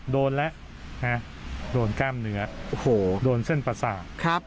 โดนแล้วโดนกล้ามเหนือโดนเส้นประสาท